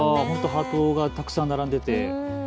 ハートがたくさん並んでいて。